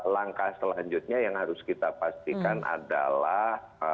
langkah selanjutnya yang harus kita pastikan adalah